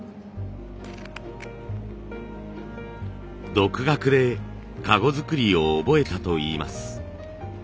独学で籠作りを覚えたといいます。